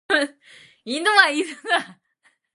犬は犬だ。